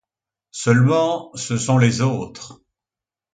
Seulement, ce sont les autres.